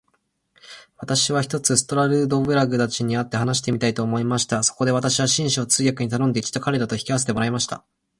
私は、ひとつストラルドブラグたちに会って話してみたいと思いました。そこで私は、紳士を通訳に頼んで、一度彼等と引き合せてもらいました。